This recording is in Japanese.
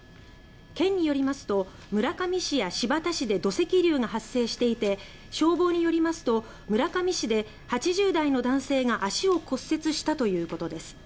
県によりますと村上市や新発田市で土石流が発生していて消防によりますと村上市で８０代の男性が足を骨折したということです。